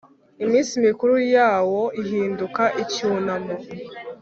iminsi mikuru yawo ihinduka icyunamo